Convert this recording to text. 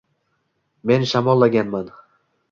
Men shamollaganman.